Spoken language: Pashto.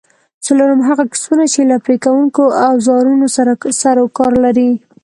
څلورم: هغه کسبونه چې له پرې کوونکو اوزارونو سره سرو کار لري؟